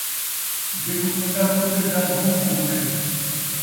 جیکوں کن٘ڈا پُݙدے ، درد ہوں کوں ہون٘دے